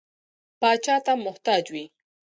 پاچا ته محتاج وي.